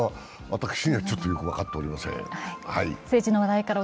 私にはちょっとよく分かっておりません。